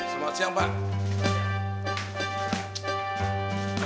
selamat siang pak